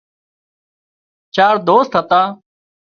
چار دوست هتا